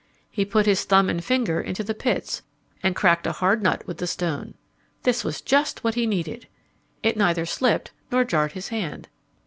He put his thumb and finger into the pits and cracked a hard nut with the stone. This was just what he needed. It neither slipped nor jarred his hand.